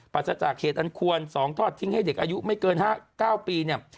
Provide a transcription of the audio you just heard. จากเหตุอันควร๒ทอดทิ้งให้เด็กอายุไม่เกิน๕๙ปีเนี่ย